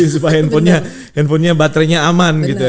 supaya handphonenya baterainya aman gitu ya